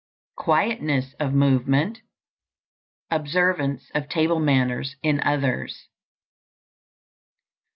_ Quietness of movement. _Observance of table manners in others.